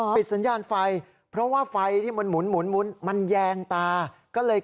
สัญญาณไฟเพราะว่าไฟที่มันหมุนมันแยงตาก็เลย